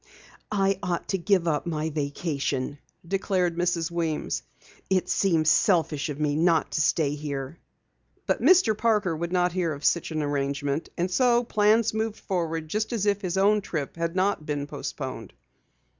"I ought to give up my vacation," declared Mrs. Weems. "It seems selfish of me not to stay here." Mr. Parker would not hear of such an arrangement, and so plans moved forward just as if his own trip had not been postponed.